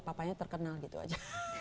papanya terkenal gitu aja